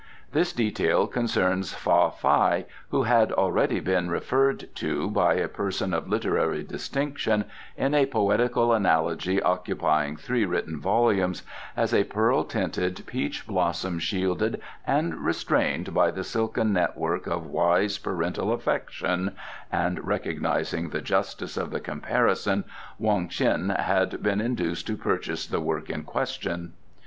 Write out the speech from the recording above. This detail concerns Fa Fai, who had already been referred to by a person of literary distinction, in a poetical analogy occupying three written volumes, as a pearl tinted peach blossom shielded and restrained by the silken net work of wise parental affection (and recognizing the justice of the comparison, Wong Ts'in had been induced to purchase the work in question).